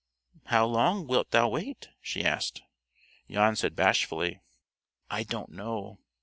"How long wilt thou wait?" she asked. Jan said bashfully, "I don't know."